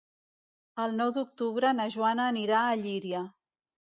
El nou d'octubre na Joana anirà a Llíria.